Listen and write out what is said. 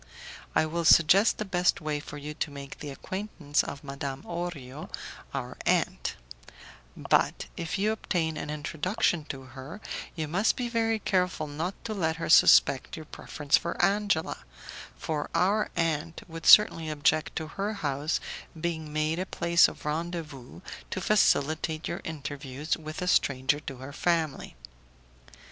I will suggest the best way for you to make the acquaintance of Madame Orio, our aunt; but, if you obtain an introduction to her, you must be very careful not to let her suspect your preference for Angela, for our aunt would certainly object to her house being made a place of rendezvous to facilitate your interviews with a stranger to her family.